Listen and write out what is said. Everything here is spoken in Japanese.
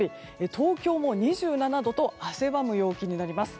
東京も２７度と汗ばむ陽気になります。